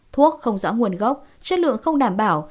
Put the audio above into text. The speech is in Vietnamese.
thuốc không rõ nguồn gốc chất lượng không đảm bảo